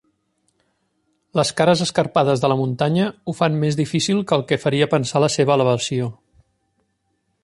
Les cares escarpades de la muntanya ho fan més difícil que el que faria pensar la seva elevació.